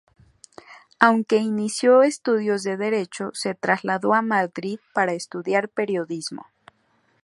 Aunque inició estudios de Derecho, se trasladó a Madrid para estudiar Periodismo.